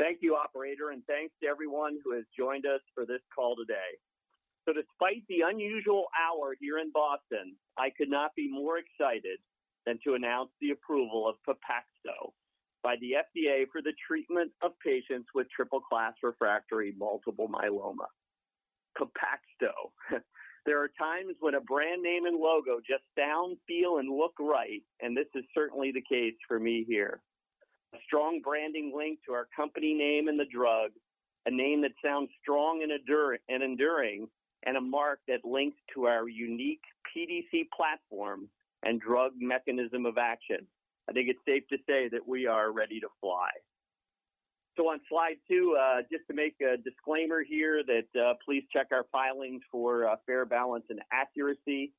Thank you, operator, and thanks to everyone who has joined us for this call today. Despite the unusual hour here in Boston, I could not be more excited than to announce the approval of PEPAXTO by the FDA for the treatment of patients with triple-class refractory multiple myeloma. PEPAXTO. There are times when a brand name and logo just sound, feel, and look right, and this is certainly the case for me here. A strong branding link to our company name and the drug, a name that sounds strong and enduring, and a mark that links to our unique PDC platform and drug mechanism of action. I think it's safe to say that we are ready to fly. On slide two, just to make a disclaimer here that please check our filings for fair balance and accuracy,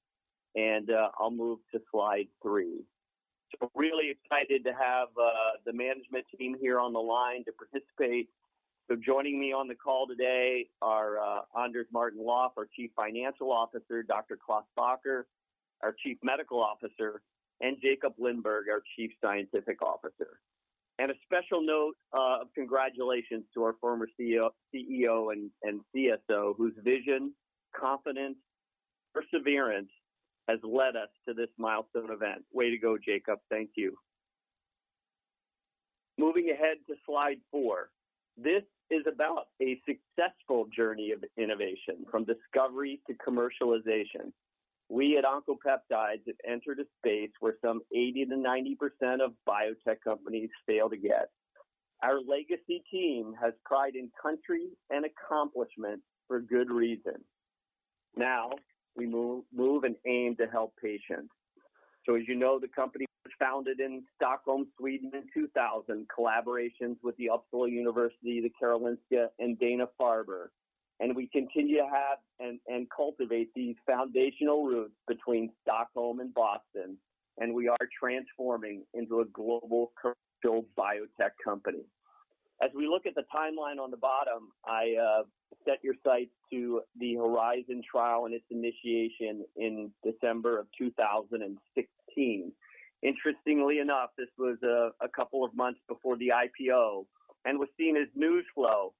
and I'll move to slide three. Really excited to have the management team here on the line to participate. Joining me on the call today are Anders Martin-Löf, our Chief Financial Officer, Dr. Klaas Bakker, our Chief Medical Officer, and Jakob Lindberg, our Chief Scientific Officer. A special note of congratulations to our former CEO and CSO, whose vision, confidence, perseverance has led us to this milestone event. Way to go, Jakob. Thank you. Moving ahead to slide four. This is about a successful journey of innovation from discovery to commercialization. We at Oncopeptides have entered a space where some 80%-90% of biotech companies fail to get. Our legacy team has pride in country and accomplishment for good reason. We move and aim to help patients. As you know, the company was founded in Stockholm, Sweden in 2000, collaborations with Uppsala University, Karolinska, and Dana-Farber, and we continue to have and cultivate these foundational roots between Stockholm and Boston, and we are transforming into a global biotech company. As we look at the timeline on the bottom, I set your sights to the HORIZON trial and its initiation in December of 2016. Interestingly enough, this was a couple of months before the IPO and was seen as news flow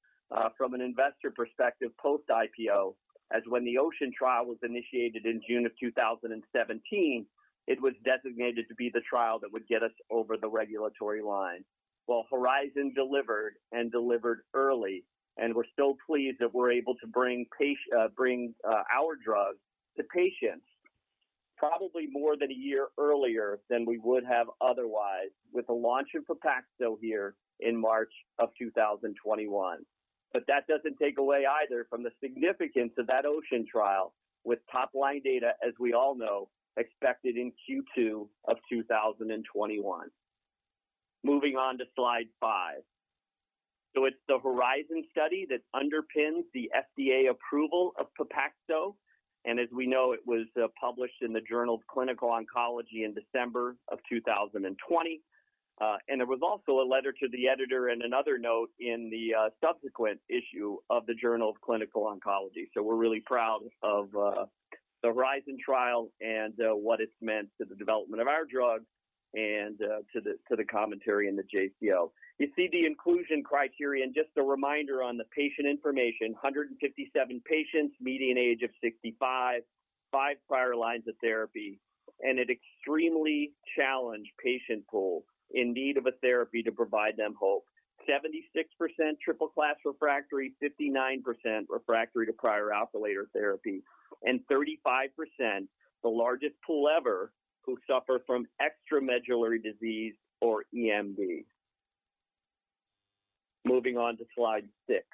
from an investor perspective post-IPO, as when the OCEAN trial was initiated in June of 2017, it was designated to be the trial that would get us over the regulatory line. HORIZON delivered, and delivered early, and we're so pleased that we're able to bring our drug to patients probably more than a year earlier than we would have otherwise with the launch of PEPAXTO here in March of 2021. That doesn't take away either from the significance of that OCEAN trial with top-line data, as we all know, expected in Q2 of 2021. Moving on to slide five. It's the HORIZON study that underpins the FDA approval of PEPAXTO, and as we know, it was published in the Journal of Clinical Oncology in December of 2020. There was also a letter to the editor and another note in the subsequent issue of the Journal of Clinical Oncology. We're really proud of the HORIZON trial and what it's meant to the development of our drug and to the commentary in the JCO. You see the inclusion criterion, just a reminder on the patient information, 157 patients, median age of 65, five prior lines of therapy, and an extremely challenged patient pool in need of a therapy to provide them hope. 76% triple-class refractory, 59% refractory to prior alkylator therapy, and 35%, the largest pool ever, who suffer from extramedullary disease or EMDs. Moving on to slide six.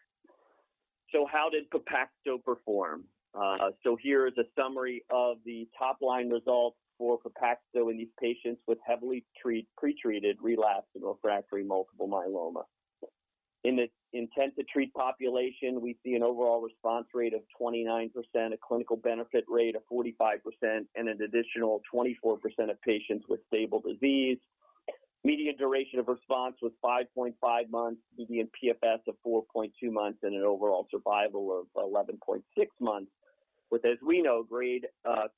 How did PEPAXTO perform? Here is a summary of the top-line results for PEPAXTO in these patients with heavily pre-treated relapsed or refractory multiple myeloma. In the intent to treat population, we see an overall response rate of 29%, a clinical benefit rate of 45%, and an additional 24% of patients with stable disease. Median duration of response was 5.5 months, median PFS of 4.2 months, and an overall survival of 11.6 months with, as we know, Grade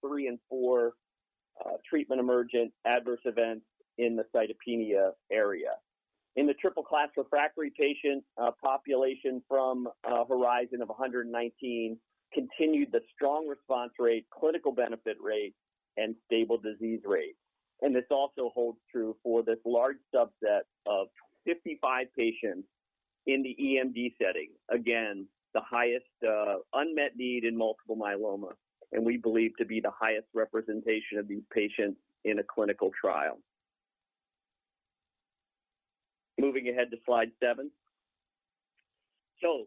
3 and 4 treatment-emergent adverse events in the cytopenia area. In the triple-class refractory patient population from a HORIZON of 119 continued the strong response rate, clinical benefit rate, and stable disease rate. This also holds true for this large subset of 55 patients in the EMD setting. Again, the highest unmet need in multiple myeloma, and we believe to be the highest representation of these patients in a clinical trial. Moving ahead to slide seven.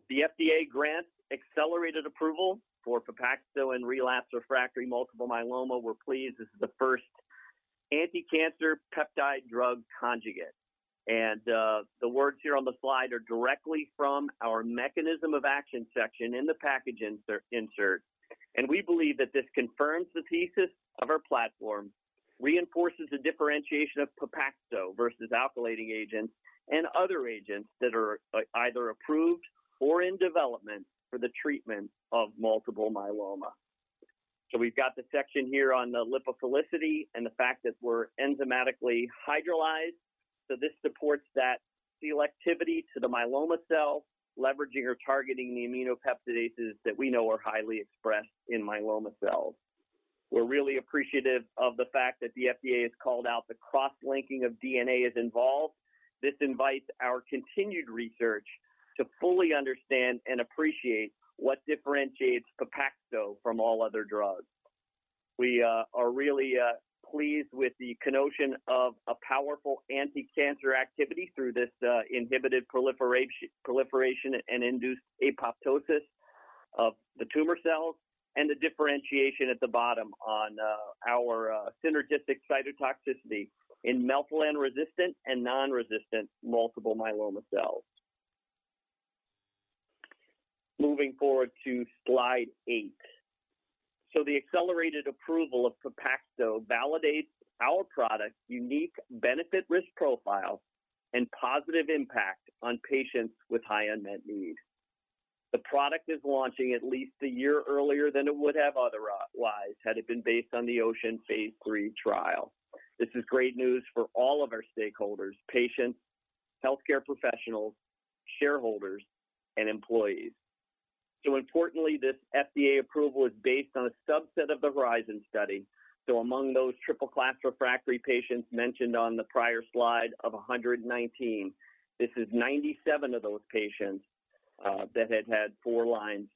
The FDA grants accelerated approval for PEPAXTO in relapsed refractory multiple myeloma. We're pleased. This is the first anti-cancer peptide-drug conjugate. The words here on the slide are directly from our mechanism of action section in the package insert. We believe that this confirms the thesis of our platform, reinforces the differentiation of PEPAXTO versus alkylating agents and other agents that are either approved or in development for the treatment of multiple myeloma. We've got the section here on the lipophilicity and the fact that we're enzymatically hydrolyzed. This supports that selectivity to the myeloma cell, leveraging or targeting the aminopeptidases that we know are highly expressed in myeloma cells. We're really appreciative of the fact that the FDA has called out the cross-linking of DNA is involved. This invites our continued research to fully understand and appreciate what differentiates PEPAXTO from all other drugs. We are really pleased with the connotation of a powerful anti-cancer activity through this inhibited proliferation and induced apoptosis of the tumor cells, and the differentiation at the bottom on our synergistic cytotoxicity in melflufen-resistant and non-resistant multiple myeloma cells. Moving forward to slide eight. The accelerated approval of PEPAXTO validates our product's unique benefit-risk profile and positive impact on patients with high unmet need. The product is launching at least a year earlier than it would have otherwise had it been based on the OCEAN phase III trial. This is great news for all of our stakeholders, patients, healthcare professionals, shareholders, and employees. Importantly, this FDA approval is based on a subset of the HORIZON study. Among those triple-class refractory patients mentioned on the prior slide of 119, this is 97 of those patients that had had four more lines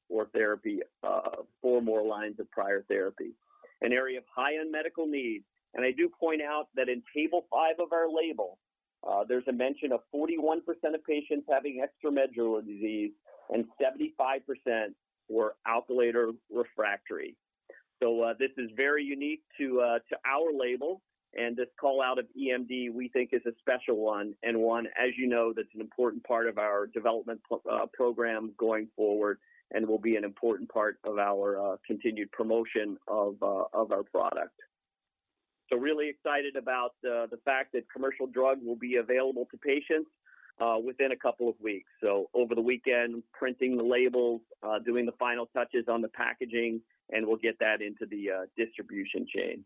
of prior therapy, an area of high unmet medical need. I do point out that in table five of our label, there's a mention of 41% of patients having extramedullary disease and 75% were alkylator refractory. This is very unique to our label and this call-out of EMD, we think, is a special one and one, as you know, that's an important part of our development program going forward and will be an important part of our continued promotion of our product. We are really excited about the fact that commercial drug will be available to patients within a couple of weeks. Over the weekend, we are printing the labels, doing the final touches on the packaging, and we'll get that into the distribution chain.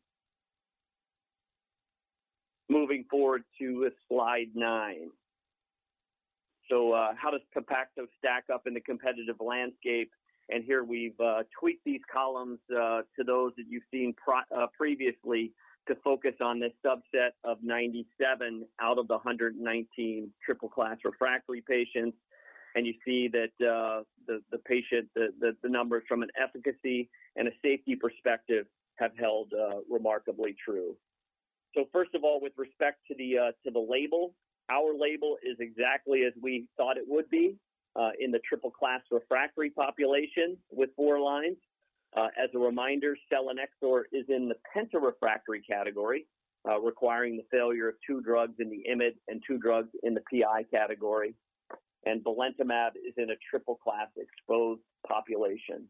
Moving forward to slide nine. How does PEPAXTO stack up in the competitive landscape? Here we've tweaked these columns to those that you've seen previously to focus on this subset of 97 out of the 119 triple-class refractory patients. You see that the numbers from an efficacy and a safety perspective have held remarkably true. First of all, with respect to the label, our label is exactly as we thought it would be in the triple-class refractory population with four lines. As a reminder, selinexor is in the penta-refractory category, requiring the failure of two drugs in the IMiD and two drugs in the PI category. Belantamab is in a triple-class exposed population.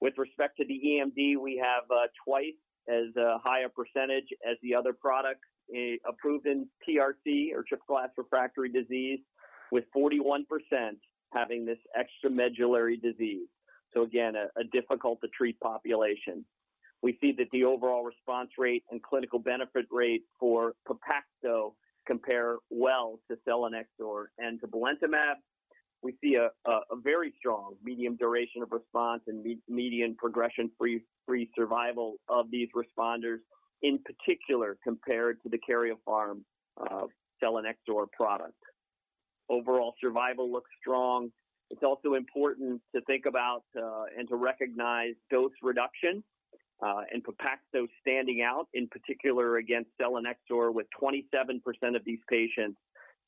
With respect to the EMD, we have twice as high a percentage as the other product approved in TRD or triple-class refractory disease, with 41% having this extramedullary disease. Again, a difficult to treat population. We see that the overall response rate and clinical benefit rate for PEPAXTO compare well to selinexor and to belantamab. We see a very strong median duration of response and median progression-free survival of these responders, in particular, compared to the Karyopharm's selinexor product. Overall survival looks strong. It's also important to think about and to recognize dose reduction, and PEPAXTO standing out, in particular against selinexor, with 27% of these patients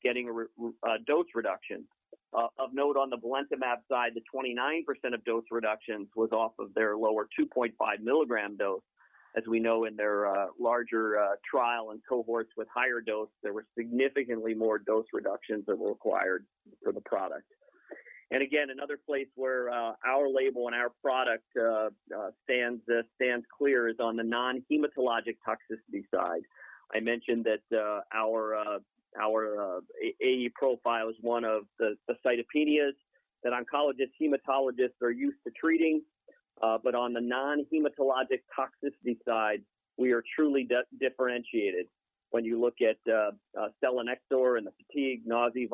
getting a dose reduction. Of note on the belantamab side, the 29% of dose reductions was off of their lower 2.5 mg dose. As we know in their larger trial and cohorts with higher dose, there were significantly more dose reductions that were required for the product. Again, another place where our label and our product stands clear is on the non-hematologic toxicity side. I mentioned that our AE profile is one of the cytopenias that oncologists, hematologists are used to treating. On the non-hematologic toxicity side, we are truly differentiated when you look at selinexor and the fatigue, nausea,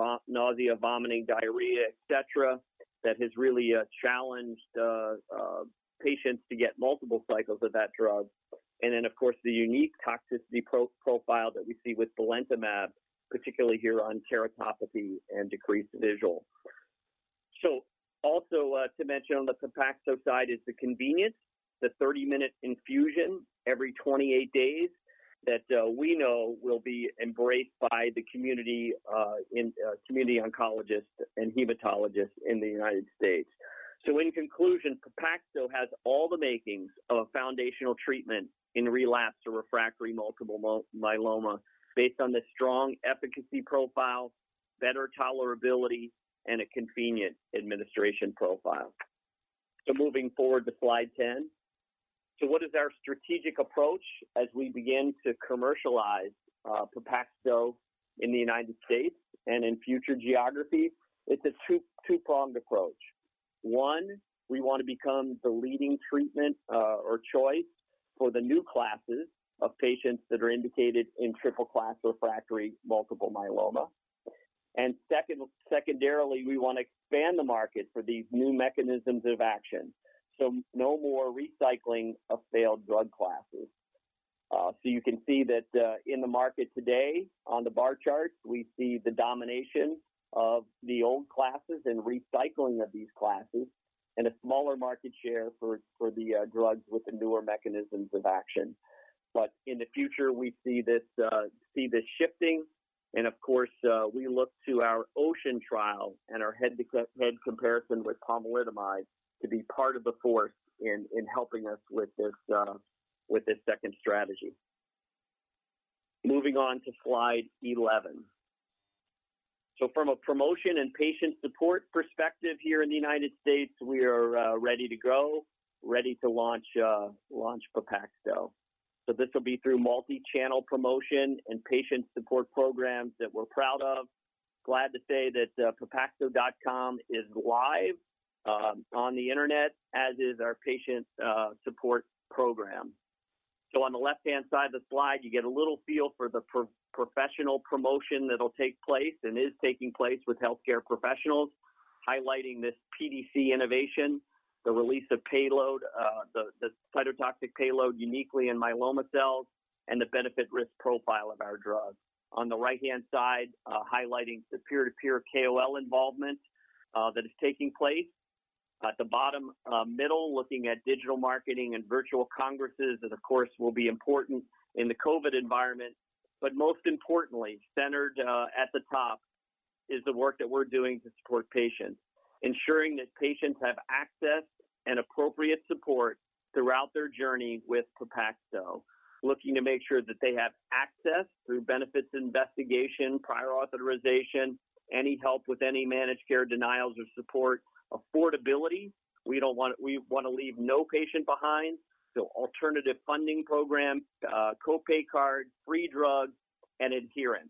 vomiting, diarrhea, et cetera, that has really challenged patients to get multiple cycles of that drug. Of course, the unique toxicity profile that we see with belantamab, particularly here on keratopathy and decreased visual. Also to mention on the PEPAXTO side is the convenience, the 30-minute infusion every 28 days that we know will be embraced by the community oncologists and hematologists in the U.S. In conclusion, PEPAXTO has all the makings of a foundational treatment in relapsed or refractory multiple myeloma based on the strong efficacy profile, better tolerability, and a convenient administration profile. Moving forward to slide 10. What is our strategic approach as we begin to commercialize PEPAXTO in the U.S. and in future geographies? It's a two-pronged approach. One, we want to become the leading treatment or choice for the new classes of patients that are indicated in triple-class refractory multiple myeloma. Secondarily, we want to expand the market for these new mechanisms of action. No more recycling of failed drug classes. You can see that in the market today, on the bar charts, we see the domination of the old classes and recycling of these classes, and a smaller market share for the drugs with the newer mechanisms of action. In the future, we see this shifting, and of course, we look to our OCEAN trial and our head-to-head comparison with pomalidomide to be part of the force in helping us with this second strategy. Moving on to slide 11. From a promotion and patient support perspective here in the U.S., we are ready to grow, ready to launch PEPAXTO. This will be through multi-channel promotion and patient support programs that we're proud of. Glad to say that pepaxto.com is live on the internet, as is our patient support program. On the left-hand side of the slide, you get a little feel for the professional promotion that'll take place and is taking place with healthcare professionals, highlighting this PDC innovation, the release of payload, the cytotoxic payload uniquely in myeloma cells, and the benefit/risk profile of our drug. On the right-hand side, highlighting the peer-to-peer KOL involvement that is taking place. At the bottom middle, looking at digital marketing and virtual congresses that of course will be important in the COVID environment. Most importantly, centered at the top is the work that we're doing to support patients, ensuring that patients have access and appropriate support throughout their journey with PEPAXTO. Looking to make sure that they have access through benefits investigation, prior authorization, any help with any managed care denials or support, affordability. We want to leave no patient behind, so alternative funding program, copay card, free drug, and adherence.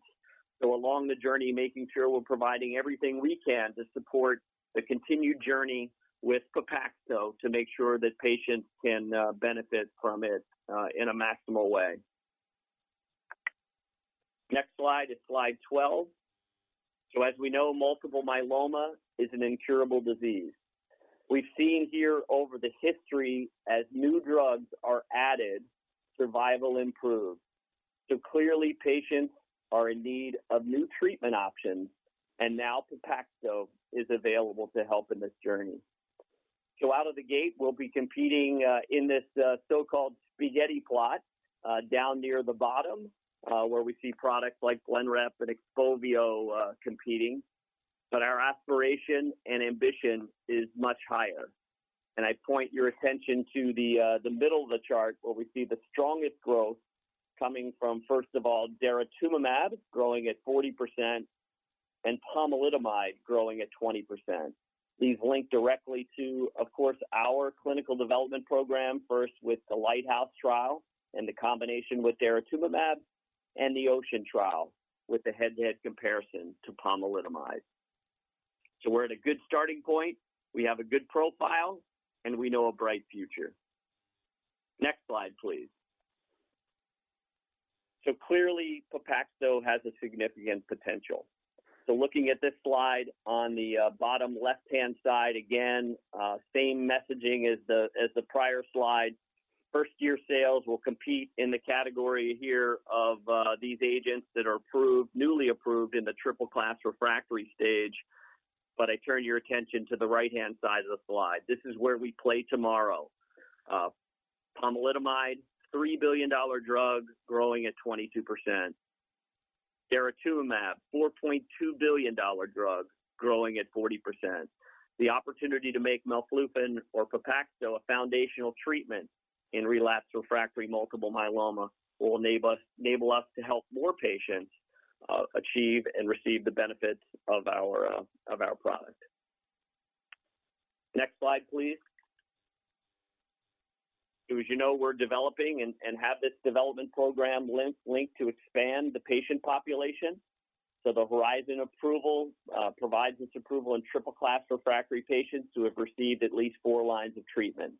Along the journey, making sure we're providing everything we can to support the continued journey with PEPAXTO to make sure that patients can benefit from it in a maximal way. Next slide is slide 12. As we know, multiple myeloma is an incurable disease. We've seen here over the history, as new drugs are added, survival improves. Clearly, patients are in need of new treatment options, and now PEPAXTO is available to help in this journey. Out of the gate, we'll be competing in this so-called spaghetti plot down near the bottom where we see products like BLENREP and uncertain competing, but our aspiration and ambition is much higher. I point your attention to the middle of the chart where we see the strongest growth coming from, first of all, daratumumab growing at 40% and pomalidomide growing at 20%. These link directly to, of course, our clinical development program, first with the LIGHTHOUSE trial and the combination with daratumumab and the OCEAN trial with the head-to-head comparison to pomalidomide. We're at a good starting point. We have a good profile, and we know a bright future. Next slide, please. Clearly, PEPAXTO has a significant potential. Looking at this slide on the bottom left-hand side, again, same messaging as the prior slide. First-year sales will compete in the category here of these agents that are newly approved in the triple-class refractory stage. I turn your attention to the right-hand side of the slide. This is where we play tomorrow. Pomalidomide, $3 billion drug growing at 22%. daratumumab, $4.2 billion drug growing at 40%. The opportunity to make melphalan or PEPAXTO a foundational treatment in relapsed refractory multiple myeloma will enable us to help more patients achieve and receive the benefits of our product. Next slide, please. As you know, we're developing and have this development program linked to expand the patient population. The HORIZON approval provides its approval in triple-class refractory patients who have received at least four lines of treatment.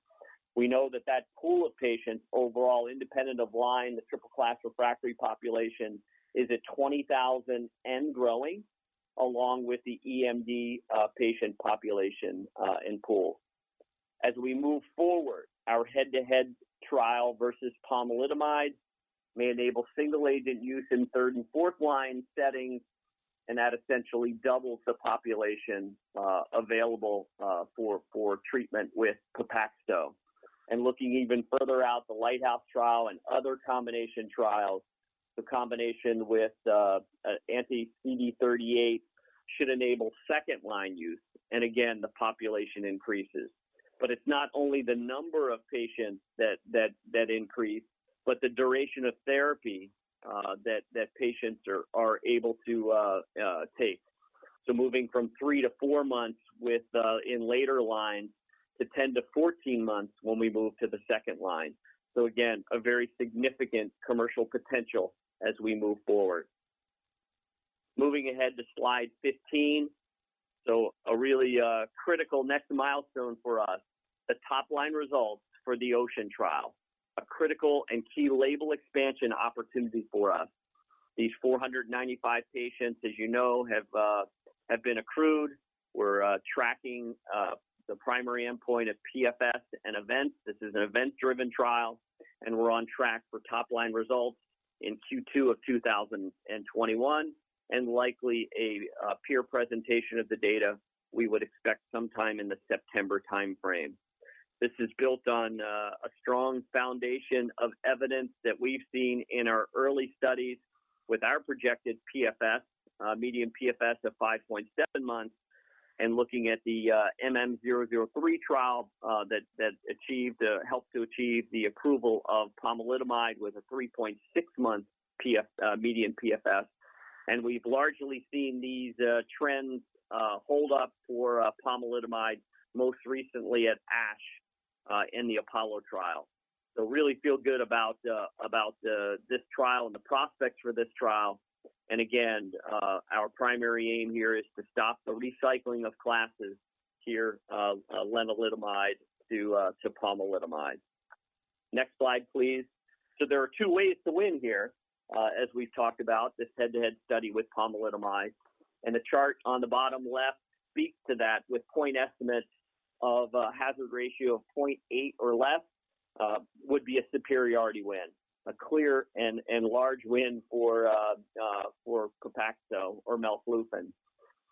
We know that that pool of patients overall, independent of line, the triple-class refractory population is at 20,000 and growing, along with the EMD patient population and pool. As we move forward, our head-to-head trial versus pomalidomide may enable single-agent use in third and fourth line settings, and that essentially doubles the population available for treatment with PEPAXTO. Looking even further out, the LIGHTHOUSE trial and other combination trials, the combination with anti-CD38 should enable second-line use, and again, the population increases. It's not only the number of patients that increase, but the duration of therapy that patients are able to take. Moving from three to four months in later lines to 10-14 months when we move to the second line. Again, a very significant commercial potential as we move forward. Moving ahead to slide 15. A really critical next milestone for us, the top line results for the OCEAN trial, a critical and key label expansion opportunity for us. These 495 patients, as you know, have been accrued. We're tracking the primary endpoint of PFS and events. This is an event-driven trial. We're on track for top-line results in Q2 2021, and likely a peer presentation of the data we would expect sometime in the September timeframe. This is built on a strong foundation of evidence that we've seen in our early studies with our projected PFS, median PFS of 5.7 months, and looking at the MM-003 trial that helped to achieve the approval of pomalidomide with a 3.6-month median PFS. We've largely seen these trends hold up for pomalidomide, most recently at ASH in the APOLLO trial. Really feel good about this trial and the prospects for this trial. Again, our primary aim here is to stop the recycling of classes here of lenalidomide to pomalidomide. Next slide, please. There are two ways to win here, as we've talked about, this head-to-head study with pomalidomide. The chart on the bottom left speaks to that with point estimates of a hazard ratio of 0.8 or less would be a superiority win, a clear and large win for PEPAXTO or melflufen.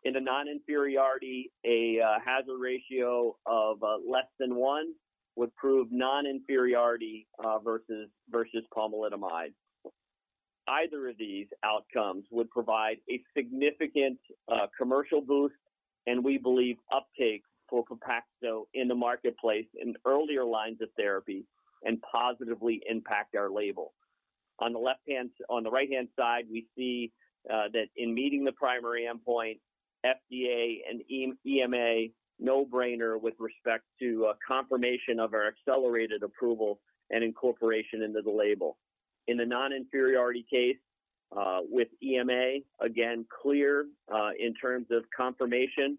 In a non-inferiority, a hazard ratio of less than one would prove non-inferiority versus pomalidomide. Either of these outcomes would provide a significant commercial boost, and we believe uptake for PEPAXTO in the marketplace in earlier lines of therapy and positively impact our label. On the right-hand side, we see that in meeting the primary endpoint, FDA and EMA, no-brainer with respect to confirmation of our accelerated approval and incorporation into the label. In the non-inferiority case with EMA, again, clear in terms of confirmation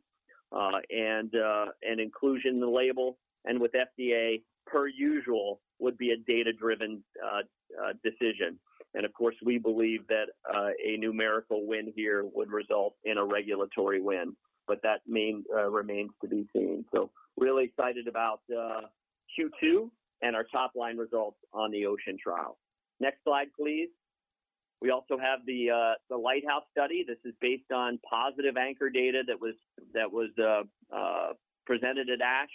and inclusion in the label. With FDA, per usual, would be a data-driven decision. Of course, we believe that a numerical win here would result in a regulatory win, but that remains to be seen. Really excited about Q2 and our top-line results on the OCEAN trial. Next slide, please. We also have the LIGHTHOUSE study. This is based on positive ANCHOR data that was presented at ASH,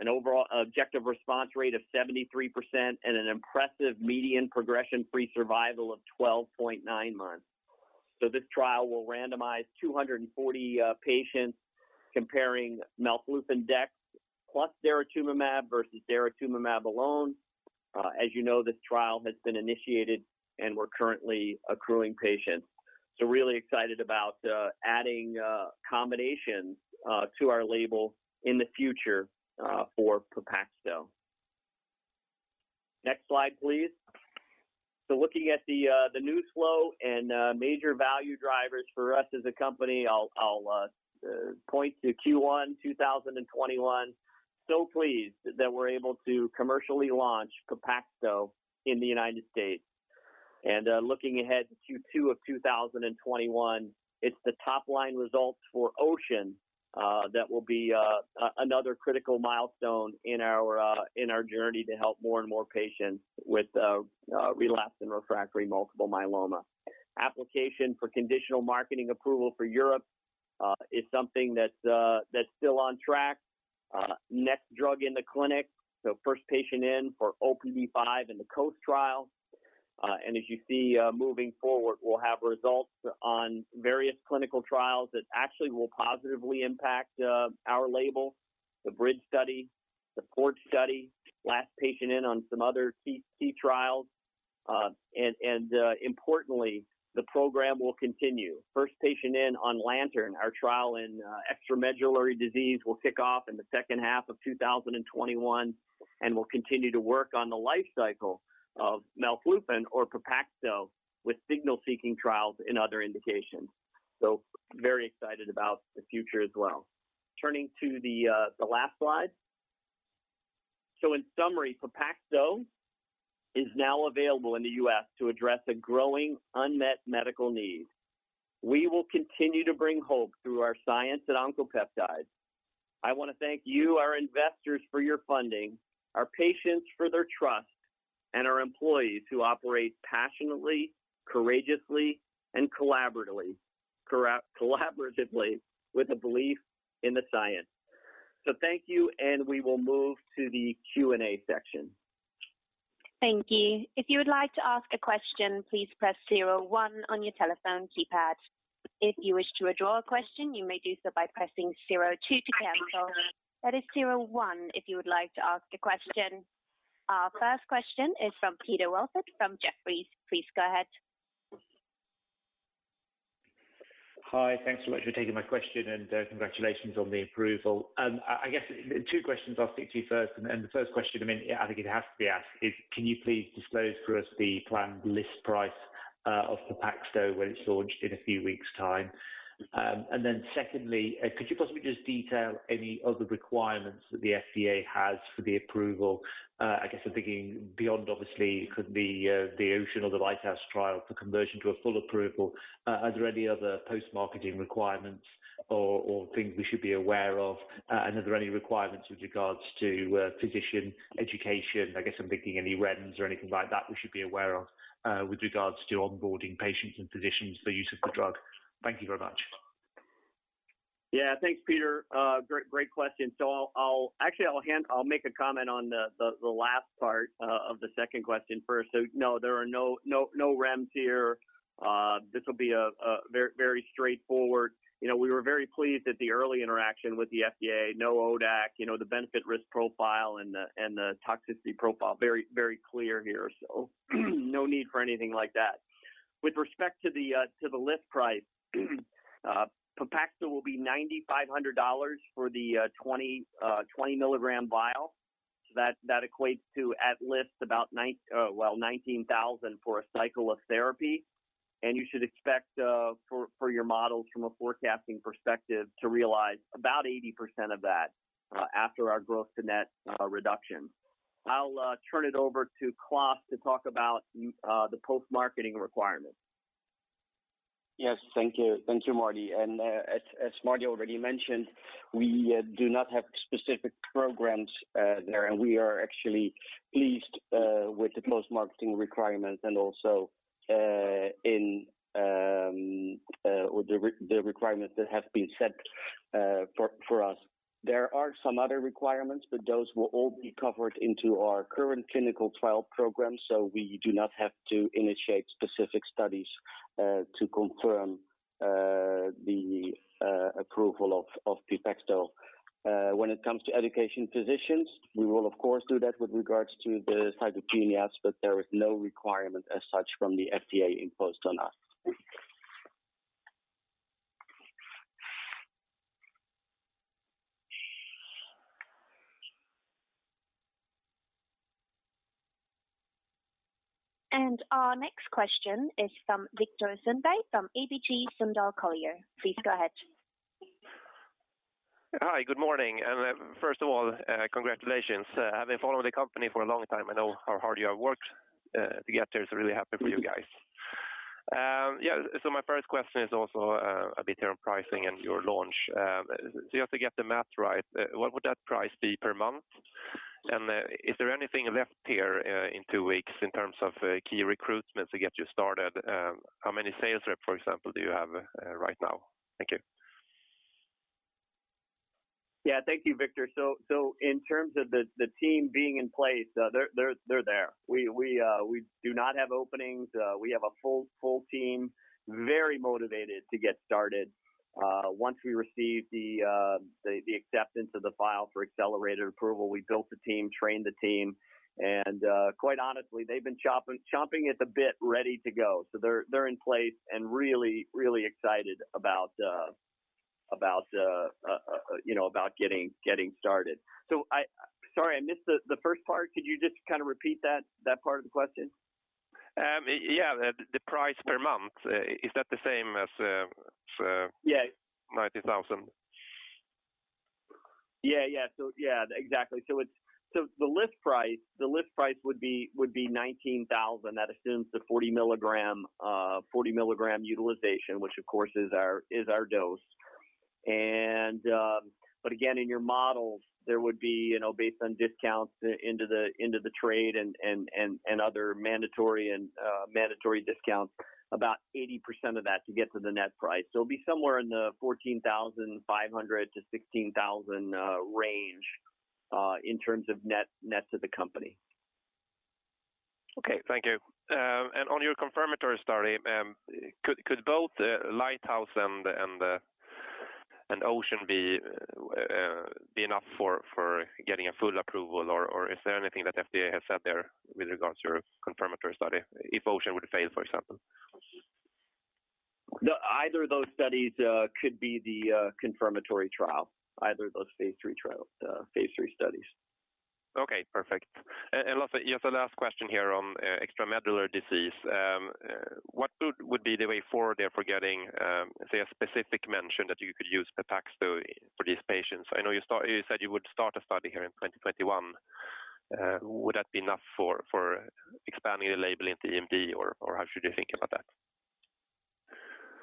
an overall objective response rate of 73% and an impressive median progression-free survival of 12.9 months. This trial will randomize 240 patients comparing melflufen-dex + daratumumab versus daratumumab alone. As you know, this trial has been initiated, and we're currently accruing patients. Really excited about adding combinations to our label in the future for PEPAXTO. Next slide, please. Looking at the news flow and major value drivers for us as a company, I'll point to Q1 2021. Pleased that we're able to commercially launch PEPAXTO in the U.S. Looking ahead to Q2 of 2021, it's the top-line results for OCEAN that will be another critical milestone in our journey to help more and more patients with relapsed and refractory multiple myeloma. Application for conditional marketing approval for Europe is something that's still on track. Next drug in the clinic, first patient in for OPD5 in the COAST trial. As you see moving forward, we'll have results on various clinical trials that actually will positively impact our label, the BRIDGE study, the PORT study, last patient in on some other key trials. Importantly, the program will continue. First patient in on LANTERN, our trial in extramedullary disease will kick off in the second half of 2021, and we'll continue to work on the life cycle of melflufen or PEPAXTO with signal-seeking trials in other indications. Very excited about the future as well. Turning to the last slide. In summary, PEPAXTO is now available in the U.S. to address a growing unmet medical need. We will continue to bring hope through our science at Oncopeptides. I want to thank you, our investors, for your funding, our patients for their trust, and our employees who operate passionately, courageously, and collaboratively with a belief in the science. Thank you, and we will move to the Q&A section. Thank you. If you would like to ask a question, please press zero one on your telephone keypad. If you wish to withdraw a question, you may do so by pressing zero two to cancel. That is zero one if you would like to ask a question. Our first question is from Peter Welford from Jefferies. Please go ahead. Hi. Thanks so much for taking my question, congratulations on the approval. I guess two questions I'll speak to you first, the first question, I think it has to be asked is, can you please disclose for us the planned list price of PEPAXTO when it's launched in a few weeks' time? Secondly, could you possibly just detail any other requirements that the FDA has for the approval? I guess I'm thinking beyond obviously, could the OCEAN or the LIGHTHOUSE trial for conversion to a full approval. Are there any other post-marketing requirements or things we should be aware of? Are there any requirements with regards to physician education? I guess I'm thinking any REMS or anything like that we should be aware of with regards to onboarding patients and physicians for use of the drug. Thank you very much. Yeah. Thanks, Peter. Great question. Actually, I'll make a comment on the last part of the second question first. No, there are no REMS here. This will be very straightforward. We were very pleased at the early interaction with the FDA. No ODAC. The benefit-risk profile and the toxicity profile, very clear here, so no need for anything like that. With respect to the list price, PEPAXTO will be $9,500 for the 20-mg vial. That equates to at list about $19,000 for a cycle of therapy, and you should expect for your models from a forecasting perspective to realize about 80% of that after our gross to net reduction. I'll turn it over to Klaas to talk about the post-marketing requirements. Yes. Thank you, Marty. As Marty already mentioned, we do not have specific programs there, and we are actually pleased with the post-marketing requirements and also the requirements that have been set for us. There are some other requirements, but those will all be covered into our current clinical trial program, so we do not have to initiate specific studies to confirm the approval of PEPAXTO. When it comes to education physicians, we will of course do that with regards to the cytopenias, but there is no requirement as such from the FDA imposed on us. Our next question is from Viktor Sundberg from ABG Sundal Collier. Please go ahead. Hi. Good morning. First of all, congratulations. I've been following the company for a long time, I know how hard you have worked to get there, so really happy for you guys. Yeah. My first question is also a bit around pricing and your launch. Just to get the math right, what would that price be per month? Is there anything left here in two weeks in terms of key recruitment to get you started? How many sales rep, for example, do you have right now? Thank you. Yeah. Thank you, Viktor. In terms of the team being in place, they're there. We do not have openings. We have a full team, very motivated to get started once we receive the acceptance of the file for accelerated approval. We built the team, trained the team, quite honestly, they've been chomping at the bit, ready to go. They're in place and really excited about getting started. Sorry, I missed the first part. Could you just kind of repeat that part of the question? Yeah. The price per month, is that the same as? Yeah $19,000? Yeah. Exactly. The list price would be $19,000. That assumes the 40-mg utilization, which of course is our dose. Again, in your models, there would be, based on discounts into the trade and other mandatory discounts, about 80% of that to get to the net price. It'll be somewhere in the $14,500-$16,000 range in terms of net to the company. Okay. Thank you. On your confirmatory study, could both LIGHTHOUSE and OCEAN be enough for getting a full approval, or is there anything that FDA has said there with regards to your confirmatory study, if OCEAN would fail, for example? Either of those studies could be the confirmatory trial, either of those phase III studies. Also, just a last question here on extramedullary disease. What would be the way forward there for getting, say, a specific mention that you could use PEPAXTO for these patients? I know you said you would start a study here in 2021. Would that be enough for expanding the label into EMD, or how should you think about that?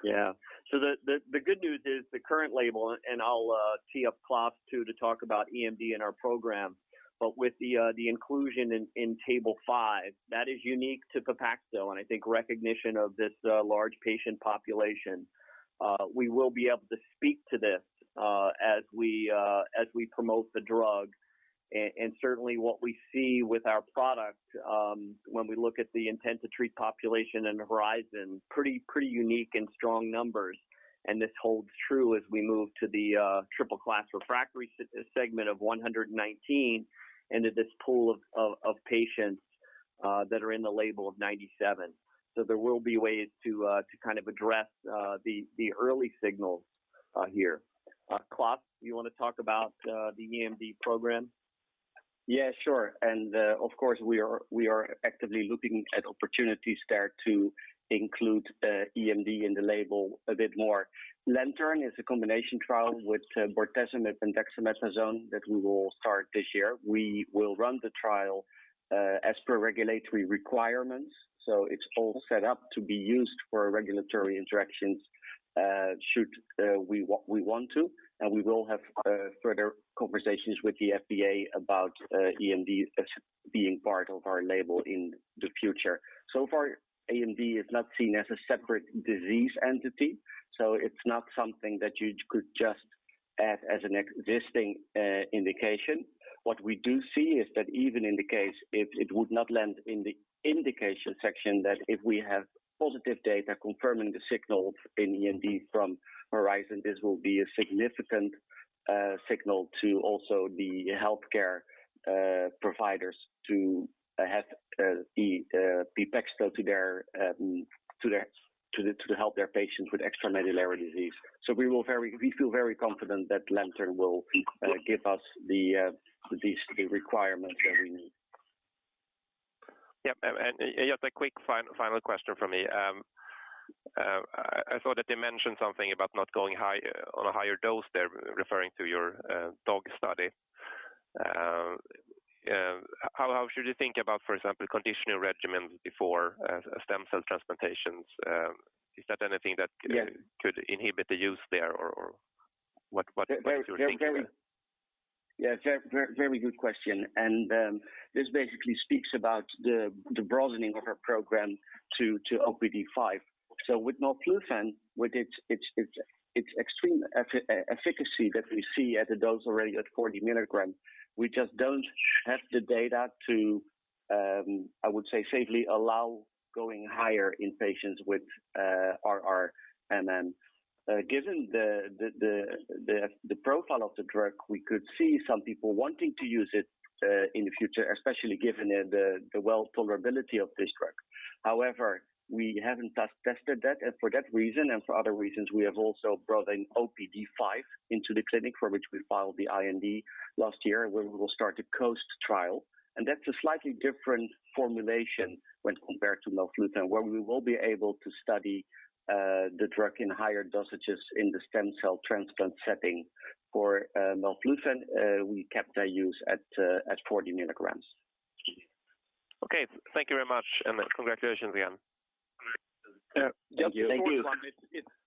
Yeah. The good news is the current label, and I'll tee up Klaas too to talk about EMD and our program, but with the inclusion in Table 5, that is unique to PEPAXTO, and I think recognition of this large patient population. We will be able to speak to this as we promote the drug, and certainly what we see with our product when we look at the intent to treat population and the HORIZON, pretty unique and strong numbers, and this holds true as we move to the triple-class refractory segment of 119 and to this pool of patients that are in the label of 97. There will be ways to address the early signals here. Klaas, you want to talk about the EMD program? Yeah, sure. Of course, we are actively looking at opportunities there to include EMD in the label a bit more. LANTERN is a combination trial with bortezomib and dexamethasone that we will start this year. We will run the trial as per regulatory requirements, so it's all set up to be used for regulatory interactions should we want to, and we will have further conversations with the FDA about EMD as being part of our label in the future. So far, EMD is not seen as a separate disease entity, so it's not something that you could just add as an existing indication. What we do see is that even in the case if it would not land in the indication section, that if we have positive data confirming the signal in EMD from HORIZON, this will be a significant signal to also the healthcare providers to add PEPAXTO to help their patients with extramedullary disease. We feel very confident that LANTERN will give us these requirements that we need. Yep. Just a quick final question from me. I thought that they mentioned something about not going on a higher dose there, referring to your OPD5 study. How should you think about, for example, conditioning regimens before stem cell transplantations? Is that anything that? Yeah could inhibit the use there, or what should we think there? Yeah, very good question. This basically speaks about the broadening of our program to OPD5. With melflufen, with its extreme efficacy that we see at a dose already at 40 mgs, we just don't have the data to, I would say, safely allow going higher in patients with RRMM. Given the profile of the drug, we could see some people wanting to use it in the future, especially given the well tolerability of this drug. However, we haven't tested that. For that reason and for other reasons, we have also brought in OPD5 into the clinic for which we filed the IND last year, where we will start the COAST trial. That's a slightly different formulation when compared to melflufen, where we will be able to study the drug in higher dosages in the stem cell transplant setting. For melflufen, we kept the use at 40 mgs. Okay. Thank you very much, and congratulations again. Thank you. Thank you.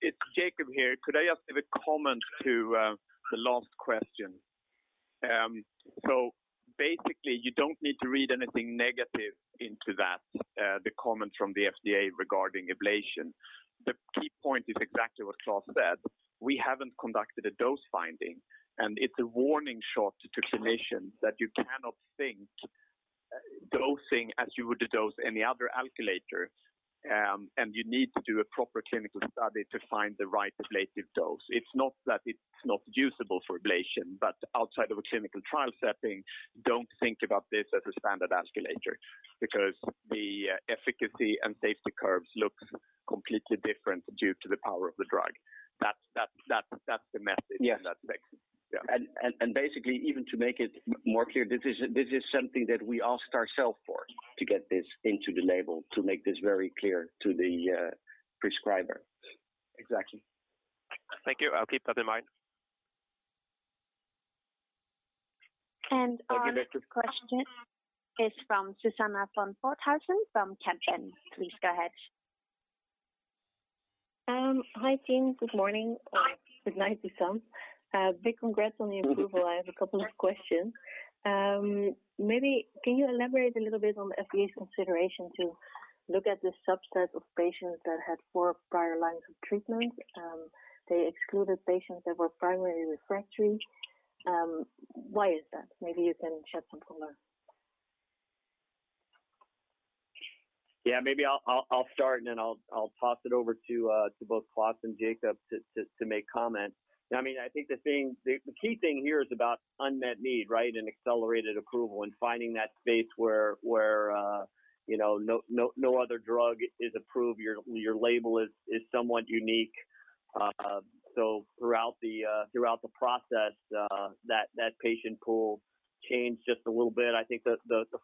It's Jakob here. Could I add a comment to the last question? Basically, you don't need to read anything negative into that, the comment from the FDA regarding ablation. The key point is exactly what Klaas said. We haven't conducted a dose-finding, it's a warning shot to clinician that you cannot think dosing as you would dose any other alkylator, you need to do a proper clinical study to find the right ablative dose. It's not that it's not usable for ablation, outside of a clinical trial setting, don't think about this as a standard alkylator because the efficacy and safety curves look completely different due to the power of the drug. That's the message. Yes. In that space. Yeah. Basically, even to make it more clear, this is something that we asked ourselves for, to get this into the label, to make this very clear to the prescriber. Exactly. Thank you. I'll keep that in mind. Our next question is from Suzanne van Voorthuizen from Kempen. Please go ahead. Hi, team. Good morning. Or good night to some. Big congrats on the approval. I have a couple of questions. Maybe can you elaborate a little bit on the FDA's consideration to look at the subset of patients that had four prior lines of treatment? They excluded patients that were primary refractory. Why is that? Maybe you can shed some color. Yeah, maybe I'll start, and then I'll pass it over to both Klaas and Jakob to make comments. I think the key thing here is about unmet need, right? In accelerated approval and finding that space where no other drug is approved, your label is somewhat unique. Throughout the process, that patient pool changed just a little bit. I think the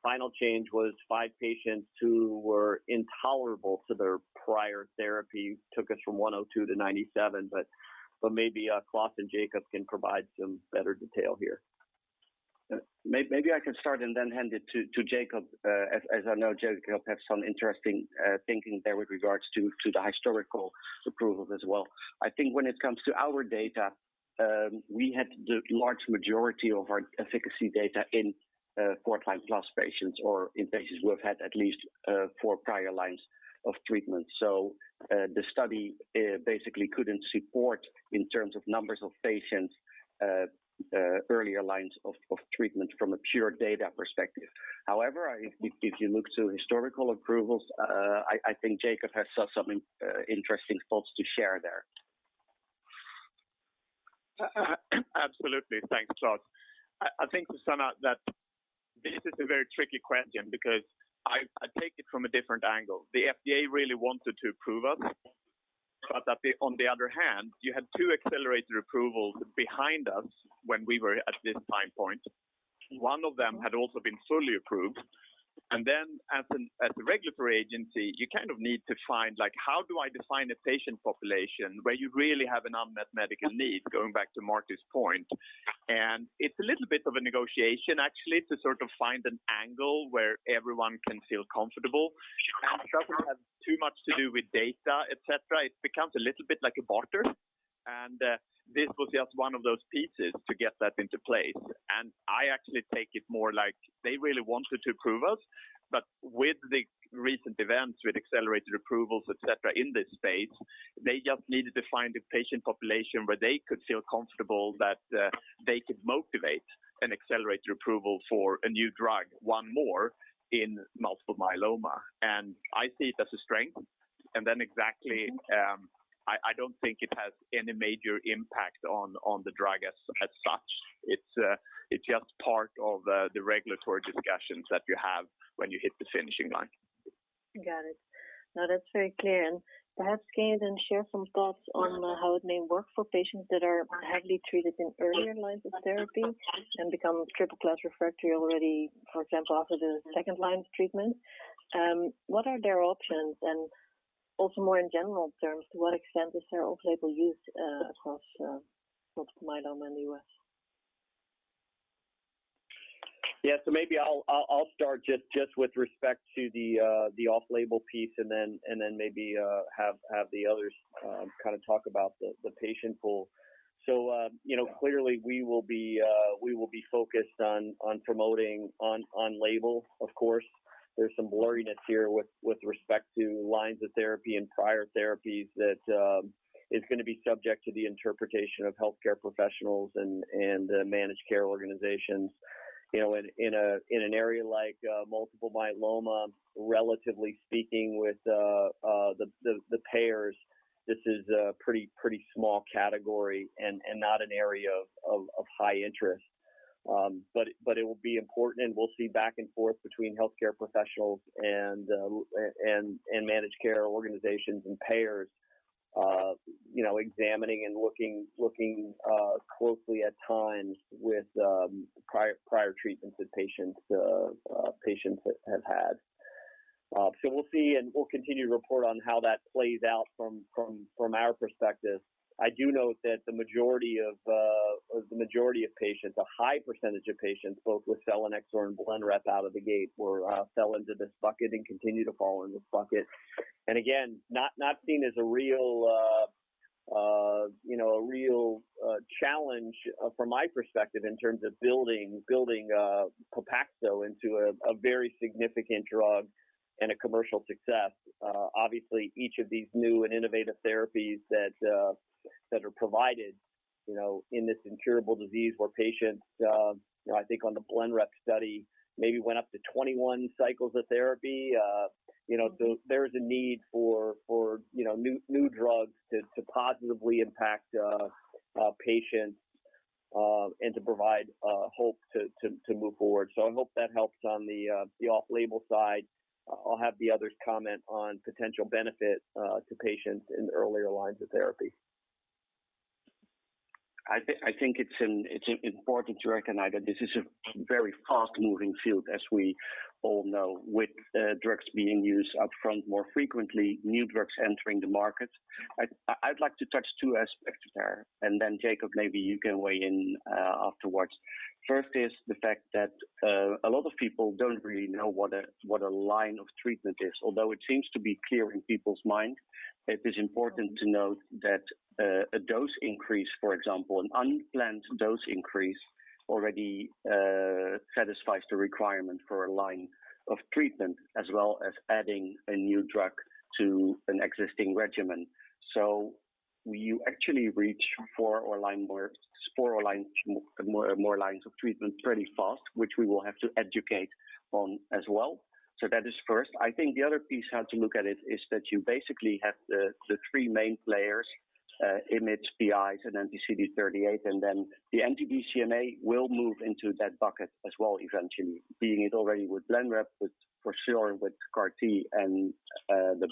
final change was five patients who were intolerable to their prior therapy took us from 102 to 97, but maybe Klaas and Jakob can provide some better detail here. Maybe I can start and then hand it to Jakob, as I know Jakob has some interesting thinking there with regards to the historical approvals as well. I think when it comes to our data, we had the large majority of our efficacy data in 4-line-plus patients or in patients who have had at least 4 prior lines of treatment. The study basically couldn't support, in terms of numbers of patients, earlier lines of treatment from a pure data perspective. However, if you look to historical approvals, I think Jakob has some interesting thoughts to share there. Absolutely. Thanks, Klaas. I think, Suzanne, that this is a very tricky question because I take it from a different angle. The FDA really wanted to approve us. On the other hand, you had two accelerated approvals behind us when we were at this time point. One of them had also been fully approved. As a regulatory agency, you kind of need to find how do I define a patient population where you really have an unmet medical need, going back to Marty's point. It's a little bit of a negotiation, actually, to sort of find an angle where everyone can feel comfortable, and it doesn't have too much to do with data, et cetera. It becomes a little bit like a barter. This was just one of those pieces to get that into place. I actually take it more like they really wanted to approve us, but with the recent events, with accelerated approvals, et cetera, in this space, they just needed to find a patient population where they could feel comfortable that they could motivate an accelerated approval for a new drug, one more in multiple myeloma. I see it as a strength. Exactly, I don't think it has any major impact on the drug as such. It is just part of the regulatory discussions that you have when you hit the finishing line. Got it. No, that's very clear. Perhaps can you then share some thoughts on how it may work for patients that are heavily treated in earlier lines of therapy and become triple class refractory already, for example, after the second line of treatment? What are their options? Also more in general terms, to what extent is there off-label use across multiple myeloma in the U.S.? Yeah. Maybe I'll start just with respect to the off-label piece and then maybe have the others kind of talk about the patient pool. Clearly we will be focused on promoting on label. Of course, there's some blurriness here with respect to lines of therapy and prior therapies that is going to be subject to the interpretation of healthcare professionals and the managed care organizations. In an area like multiple myeloma, relatively speaking with the payers, this is a pretty small category and not an area of high interest. It will be important, and we'll see back and forth between healthcare professionals and managed care organizations and payers examining and looking closely at times with prior treatments that patients have had. We'll see, and we'll continue to report on how that plays out from our perspective. I do note that the majority of patients, a high percentage of patients, both with selinexor and BLENREP out of the gate, fell into this bucket and continue to fall in this bucket. Again, not seen as a real challenge from my perspective in terms of building PEPAXTO into a very significant drug and a commercial success. Obviously, each of these new and innovative therapies that are provided in this incurable disease where patients, I think on the BLENREP study, maybe went up to 21 cycles of therapy. There is a need for new drugs to positively impact patients, and to provide hope to move forward. I hope that helps on the off-label side. I'll have the others comment on potential benefit to patients in the earlier lines of therapy. I think it's important to recognize that this is a very fast-moving field, as we all know, with drugs being used up front more frequently, new drugs entering the market. I'd like to touch two aspects there, and then Jakob, maybe you can weigh in afterwards. First is the fact that a lot of people don't really know what a line of treatment is. Although it seems to be clear in people's minds, it is important to note that a dose increase, for example, an unplanned dose increase, already satisfies the requirement for a line of treatment, as well as adding a new drug to an existing regimen. You actually reach four or more lines of treatment pretty fast, which we will have to educate on as well. That is first. I think the other piece, how to look at it is that you basically have the three main players, IMiDs, PIs, and anti-CD38, then the anti-BCMA will move into that bucket as well eventually, being it already with BLENREP, with for sure with CAR-T and the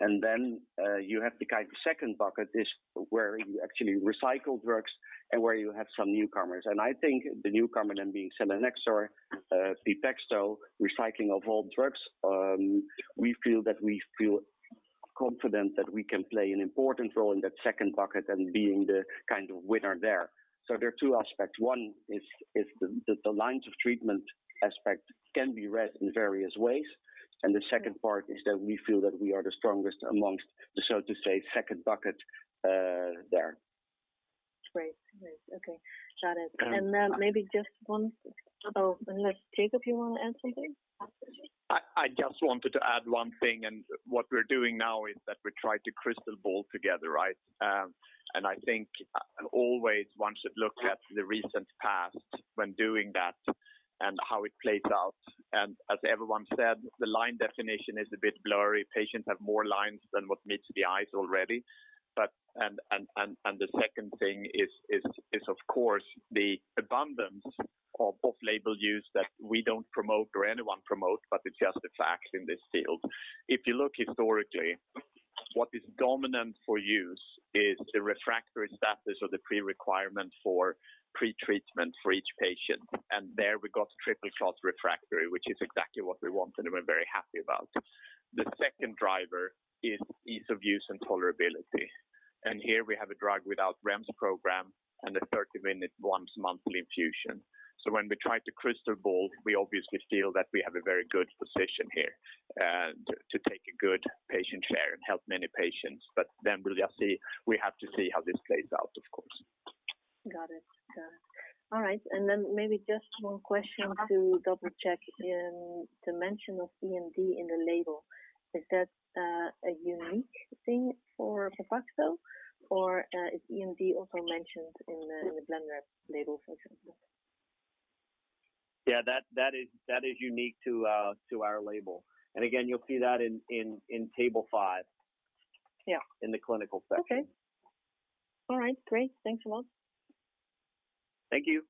BiTEs. Then you have the kind of second bucket is where you actually recycle drugs and where you have some newcomers. I think the newcomer then being selinexor, PEPAXTO, recycling of old drugs, we feel that we feel confident that we can play an important role in that second bucket and being the kind of winner there. There are two aspects. One is the lines of treatment aspect can be read in various ways, and the second part is that we feel that we are the strongest amongst the, so to say, second bucket there. Great. Okay. Got it. Oh, unless Jakob, you want to add something? I just wanted to add one thing, what we're doing now is that we try to crystal ball together, right? I think always one should look at the recent past when doing that. How it plays out. As everyone said, the line definition is a bit blurry. Patients have more lines than what meets the eyes already. The second thing is of course the abundance of both label use that we don't promote or anyone promote, but it's just a fact in this field. If you look historically, what is dominant for use is the refractory status or the pre-requirement for pre-treatment for each patient. There we got triple-class refractory, which is exactly what we wanted and we're very happy about. The second driver is ease of use and tolerability. Here we have a drug without REMS program and a 30-minute once-monthly infusion. When we try to crystal ball, we obviously feel that we have a very good position here to take a good patient share and help many patients. We have to see how this plays out, of course. Got it. All right. Then maybe just one question to double-check. In the mention of EMD in the label, is that a unique thing for PEPAXTO or is EMD also mentioned in the BLENREP label, for example? Yeah, that is unique to our label. Again, you'll see that in table five. Yeah In the clinical section. Okay. All right. Great. Thanks a lot. Thank you.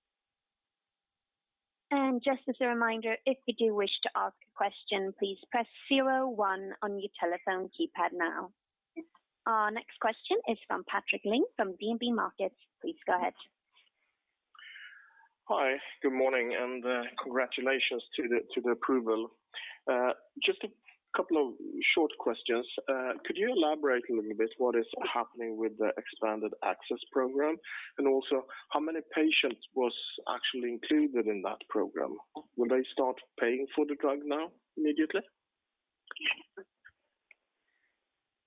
Just as a reminder, if you do wish to ask a question, please press zero one on your telephone keypad now. Our next question is from Patrik Ling from DNB Markets. Please go ahead. Hi, good morning and congratulations to the approval. Just a couple of short questions. Could you elaborate a little bit what is happening with the expanded access program and also how many patients were actually included in that program? Will they start paying for the drug now immediately?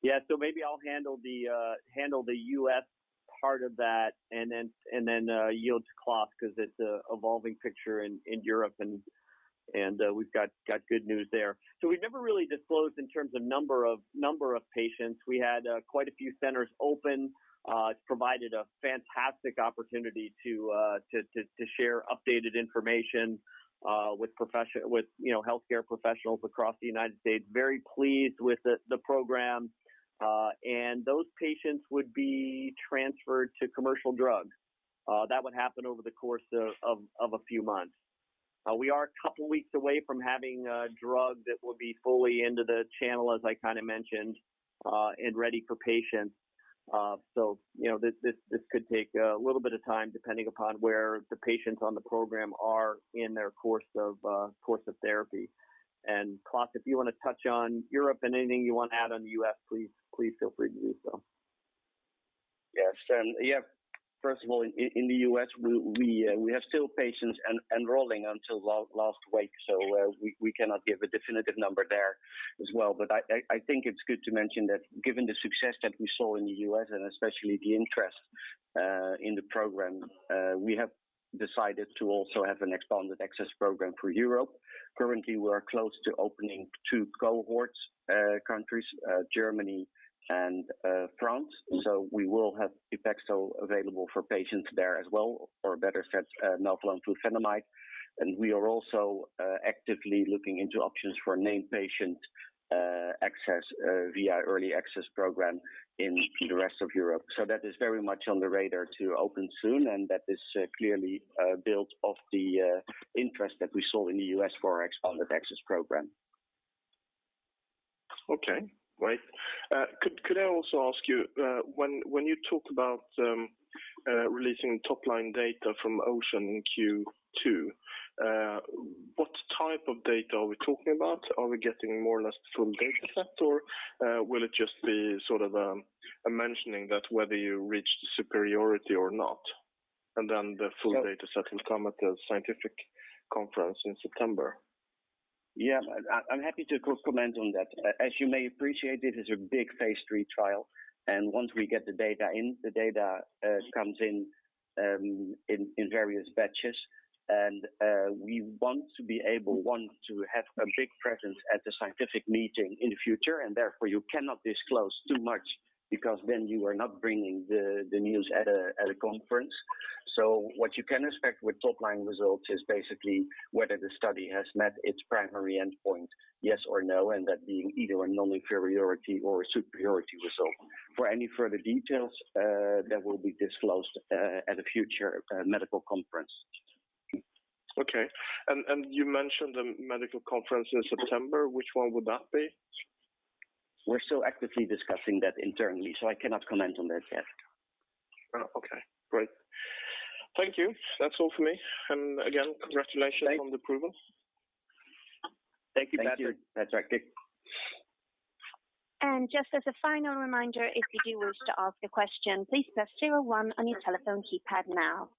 Yeah, maybe I'll handle the U.S. part of that and then yield to Klaas because it's a evolving picture in Europe and we've got good news there. We've never really disclosed in terms of number of patients. We had quite a few centers open. It's provided a fantastic opportunity to share updated information with healthcare professionals across the United States. Very pleased with the program. Those patients would be transferred to commercial drugs. That would happen over the course of a few months. We are a couple weeks away from having a drug that will be fully into the channel as I mentioned, and ready for patients. This could take a little bit of time depending upon where the patients on the program are in their course of therapy. Klaas, if you want to touch on Europe and anything you want to add on the U.S., please feel free to do so. Yes. First of all, in the U.S., we have still patients enrolling until last week, so we cannot give a definitive number there as well. I think it's good to mention that given the success that we saw in the U.S. and especially the interest in the program, we have decided to also have an expanded access program for Europe. Currently we are close to opening two cohorts countries, Germany and France. We will have PEPAXTO available for patients there as well or better said melphalan flufenamide. We are also actively looking into options for named patient access via early access program in the rest of Europe. That is very much on the radar to open soon and that is clearly built off the interest that we saw in the U.S. for our expanded access program. Okay, great. Could I also ask you when you talk about releasing top line data from OCEAN in Q2, what type of data are we talking about? Are we getting more or less the full data set or will it just be sort of a mentioning that whether you reached superiority or not and then the full data set will come at the scientific conference in September? I'm happy to comment on that. As you may appreciate, this is a big phase III trial and once we get the data in, the data comes in in various batches and we want to be able, one, to have a big presence at the scientific meeting in the future and therefore you cannot disclose too much because then you are not bringing the news at a conference. What you can expect with top line results is basically whether the study has met its primary endpoint, yes or no, and that being either a non-inferiority or a superiority result. For any further details that will be disclosed at a future medical conference. Okay. You mentioned a medical conference in September. Which one would that be? We're still actively discussing that internally, so I cannot comment on that yet. Okay, great. Thank you. That's all for me. Again, congratulations on the approval. Thank you. Thank you. Thank you, Patrik. Just as a final reminder, if you do wish to ask a question, please press zero one on your telephone keypad now.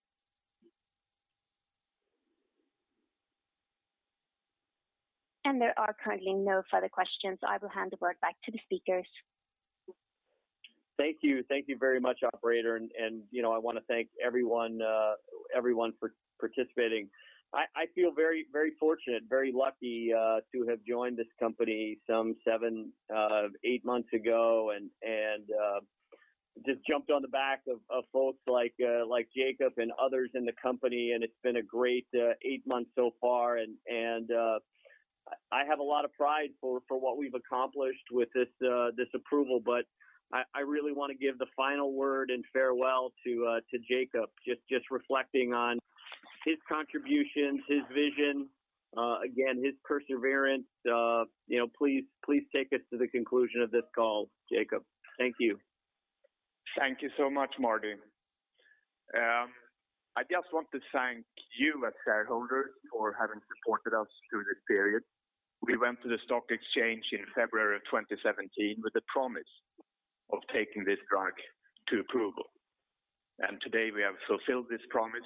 There are currently no further questions. I will hand the word back to the speakers. Thank you. Thank you very much, operator. I want to thank everyone for participating. I feel very fortunate, very lucky to have joined this company some seven, eight months ago and just jumped on the back of folks like Jakob and others in the company and it's been a great eight months so far. I have a lot of pride for what we've accomplished with this approval. I really want to give the final word and farewell to Jakob, just reflecting on his contributions, his vision, again, his perseverance. Please take us to the conclusion of this call, Jakob. Thank you. Thank you so much, Marty. I just want to thank you as shareholders for having supported us through this period. We went to the stock exchange in February of 2017 with a promise of taking this drug to approval. Today we have fulfilled this promise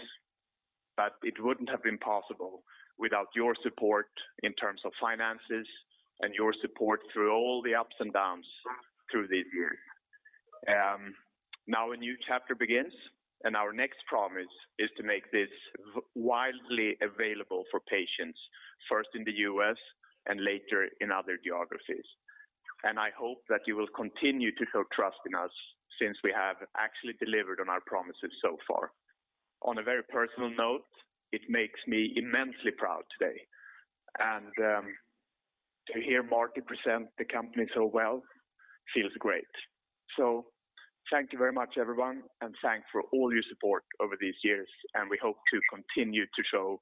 but it wouldn't have been possible without your support in terms of finances and your support through all the ups and downs through these years. Now a new chapter begins. Our next promise is to make this widely available for patients, first in the U.S. and later in other geographies. I hope that you will continue to show trust in us since we have actually delivered on our promises so far. On a very personal note, it makes me immensely proud today and to hear Marty present the company so well feels great. Thank you very much everyone and thanks for all your support over these years and we hope to continue to show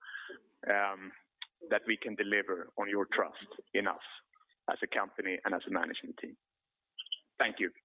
that we can deliver on your trust in us as a company and as a management team. Thank you.